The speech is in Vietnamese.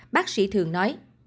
bác sĩ thường nói